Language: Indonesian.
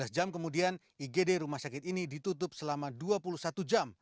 dua belas jam kemudian igd rumah sakit ini ditutup selama dua puluh satu jam